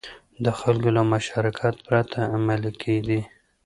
د خلکو له مشارکت پرته عملي کېدې.